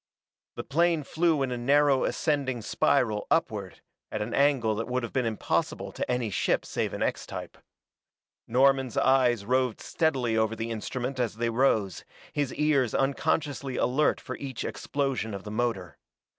The plane flew in a narrow ascending spiral upward, at an angle that would have been impossible to any ship save an X type. Norman's eyes roved steadily over the instrument as they rose, his ears unconsciously alert for each explosion of the motor.